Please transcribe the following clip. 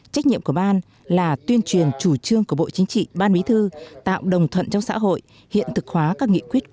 trách nhiệm của ban là tuyên truyền chủ trương của bộ chính trị ban bí thư tạo đồng thuận trong xã hội hiện thực hóa các nghị quyết